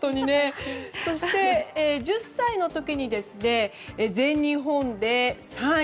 そして１０歳の時に全日本で３位。